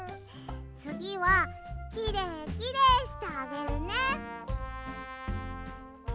つぎはきれいきれいしてあげるね。